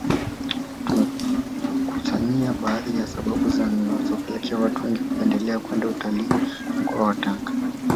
Tumekukusanyia baadhi ya sababu zinazopelekea watu wengi kupendelea kwenda kutalii mkoa wa Tanga